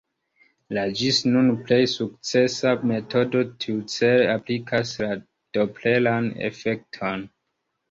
La ĝis nun plej sukcesa metodo tiucele aplikas la dopleran efekton.